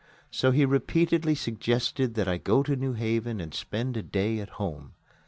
So he repeatedly suggested that I go to New Haven and spend a day at home.